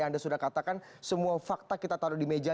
anda sudah katakan semua fakta kita taruh di meja